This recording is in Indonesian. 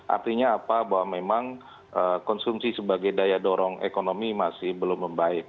artinya apa bahwa memang konsumsi sebagai daya dorong ekonomi masih belum membaik